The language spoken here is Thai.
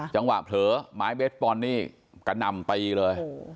จังหวะเผลอไม้เบสปอนด์นี่กระหน่ำไปเลย